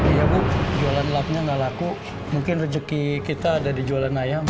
iya bu jualan lapnya nggak laku mungkin rezeki kita ada di jualan ayam